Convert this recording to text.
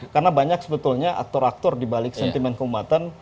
karena banyak sebetulnya aktor aktor dibalik sentimen keumatan